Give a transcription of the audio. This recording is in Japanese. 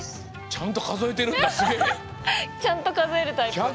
ちゃんとかぞえるタイプだ。